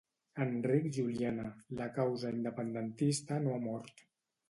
Enric Juliana: La causa independentista no ha mort